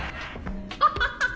ハハハハ！